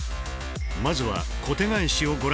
まずは小手返しをご覧頂こう